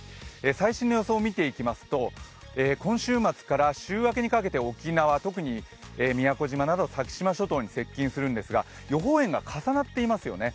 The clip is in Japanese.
最新の予想を見ていきますと今週末から週明けにかけて、沖縄、特に宮古島など先島諸島に接近するんですが予報円が重なっていますよね。